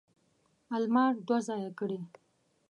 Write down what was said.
المار دوه ځایه کړي.